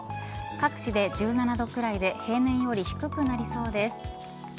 各地で１７度ぐらいで平年より低くなりそうです。